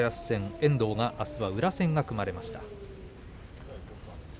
遠藤はあす、宇良戦が組まれました。